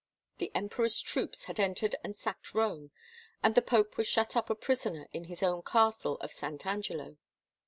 The emperor's troops had entered and sacked Rome and the pope was shut up a prisoner in his own castle of Saint Angelo.